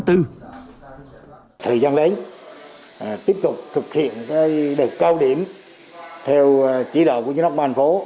thời gian đến tiếp tục thực hiện đợt cao điểm theo chỉ đoạn của chế độc ban phố